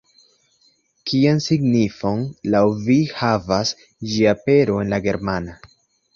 Kian signifon laŭ vi havas ĝia apero en la germana?